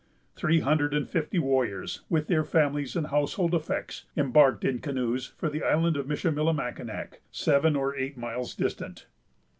Three hundred and fifty warriors, with their families and household effects, embarked in canoes for the Island of Michillimackinac, seven or eight miles distant.